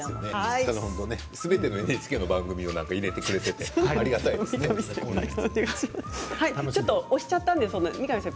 すべてのＮＨＫの番組で出てくれてとてもありがたいですね三上さん。